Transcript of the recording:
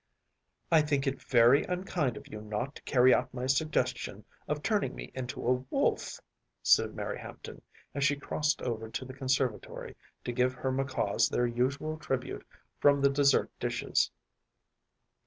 “I think it very unkind of you not to carry out my suggestion of turning me into a wolf,‚ÄĚ said Mary Hampton, as she crossed over to the conservatory to give her macaws their usual tribute from the dessert dishes.